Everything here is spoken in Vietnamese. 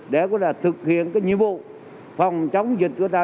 để có thực hiện cái nhiệm vụ phòng chống dịch của ta